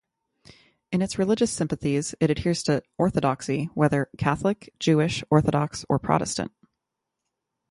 In its religious sympathies it adheres to orthodoxy, whether Catholic, Jewish, Orthodox or Protestant.